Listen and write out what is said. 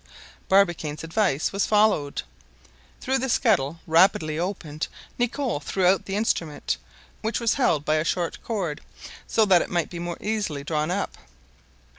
Barbicane's advice was followed. Through the scuttle rapidly opened, Nicholl threw out the instrument, which was held by a short cord, so that it might be more easily drawn up.